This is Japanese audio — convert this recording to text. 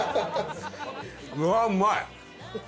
うわうまい！